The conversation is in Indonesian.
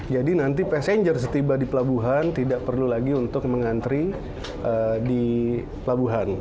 jadi nanti pesenjer setiba di pelabuhan tidak perlu lagi untuk mengantri di pelabuhan